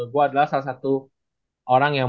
gue adalah salah satu orang yang